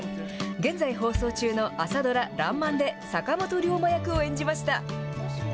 現在放送中の朝ドラ、らんまんで、坂本龍馬役を演じました。